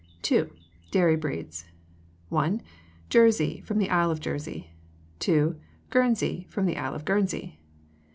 II. Dairy Breeds 1. Jersey, from the Isle of Jersey. 2. Guernsey, from the Isle of Guernsey.